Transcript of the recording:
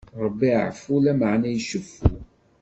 Ṛebbi iɛeffu, lameɛna iceffu.